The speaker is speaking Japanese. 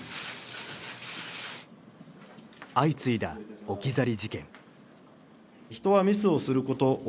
相次いだ置き去り事件。